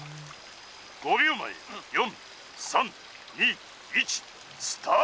５秒前４３２１スタート」。